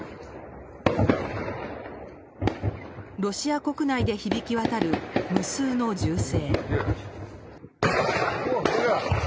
ロシア国内で響き渡る無数の銃声。